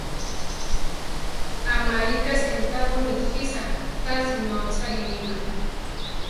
Amarika sentabo nijisa, tasi nótzari nima.